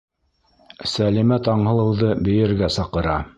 Сәлимә Таңһылыуҙы бейергә саҡыра.